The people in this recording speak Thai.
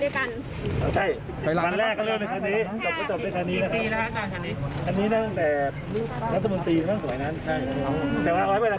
ตะคะชายก็ต้องไปด้วยกัน